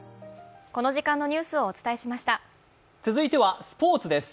続いてはスポーツです。